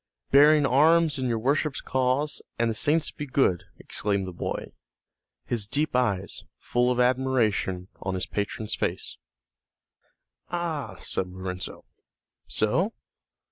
"Bearing arms in your worship's cause, an' the saints be good!" exclaimed the boy, his deep eyes, full of admiration, on his patron's face. "Ah," said Lorenzo, "so?